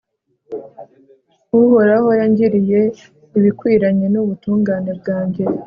uhoraho yangiriye ibikwiranye n'ubutungane bwanjye